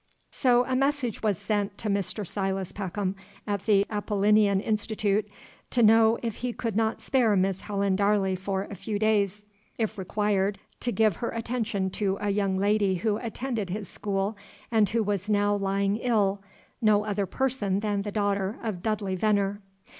So a message was sent to Mr. Silas Peckham at the Apollinean Institute, to know if he could not spare Miss Helen Darley for a few days, if required, to give her attention to a young lady who attended his school and who was now lying ill, no other person than the daughter of Dudley Venner.